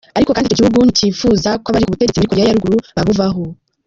Ariko kandi ico gihugu nticipfuza ko abari ku butegetsi muri Korea ya ruguru babuvako.